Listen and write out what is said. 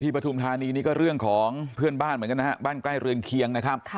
ปฐุมธานีนี่ก็เรื่องของเพื่อนบ้านเหมือนกันนะฮะบ้านใกล้เรือนเคียงนะครับ